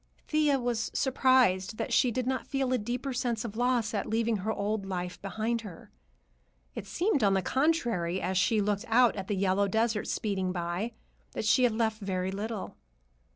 Thea was surprised that she did not feel a deeper sense of loss at leaving her old life behind her. It seemed, on the contrary, as she looked out at the yellow desert speeding by, that she had left very little.